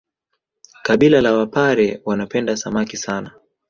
Kabila la wapare wanapenda Samaki sana